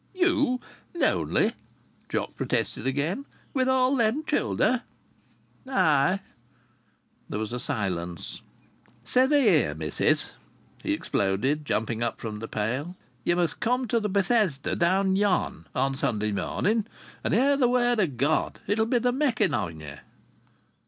"You lonely!" Jock protested again. "With all them childer?" "Ay!" There was a silence. "See thee here, missis!" he exploded, jumping up from the pail. "Ye must come to th' Bethesda down yon, on Sunday morning, and hear the word o' God. It'll be the making on ye."